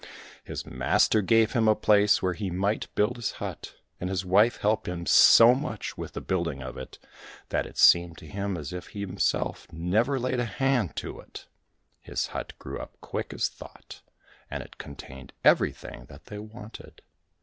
His master gave him a place where he might build his hut, and his wife helped him so much with the building of it that it seemed to him as if he himself never laid a hand to it. His hut grew up as quick as thought, and it contained everything that they wanted.